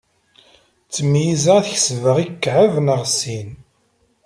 Ttmeyyizeɣ ad kesbeɣ ikɛeb neɣ sin.